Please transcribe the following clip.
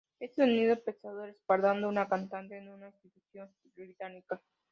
Ese sonido pesado, respaldando a un cantante, es una institución británica.